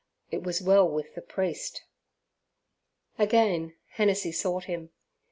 It was well with the priest. Again Hennessey sought him.